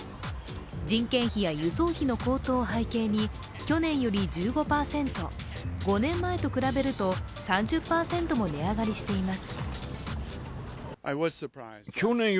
人件費や輸送費の高騰を背景に去年より１５％５年前と比べると３０％も値上がりしています。